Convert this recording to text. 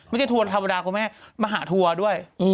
ทัวร์ธรรมดาคุณแม่มาหาทัวร์ด้วย